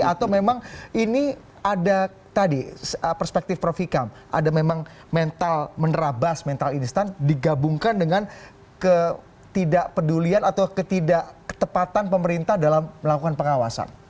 atau memang ini ada tadi perspektif prof ikam ada memang mental menerabas mental instan digabungkan dengan ketidakpedulian atau ketidak ketepatan pemerintah dalam melakukan pengawasan